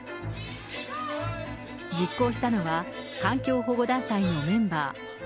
実行したのは環境保護団体のメンバー。